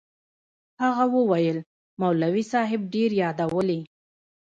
هغه وويل مولوي صاحب ډېر يادولې.